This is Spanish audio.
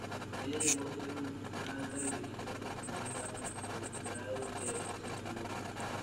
Ella llegó a ser una alta dirigente montonera con el grado de Oficial Mayor.